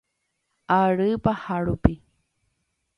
Ary paha rupi.